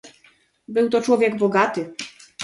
"Był to człowiek bogaty."